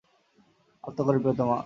আলতো করে, প্রিয়তমা।